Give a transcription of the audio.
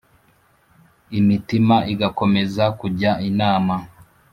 Imitima igakomeza kujya inama